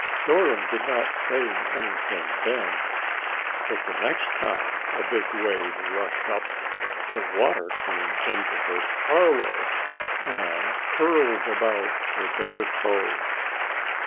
_] Dora did not say anything then, but the next time a big wave rushed up, the water came into her parlor and curled about her bare toes.